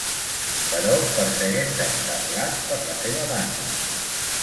Però persegueixen Sarlat per la seva banda.